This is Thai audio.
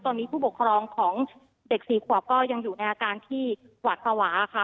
ตอนนี้ผู้ปกครองของเด็ก๔ขวบก็ยังอยู่ในอาการที่หวาดภาวะค่ะ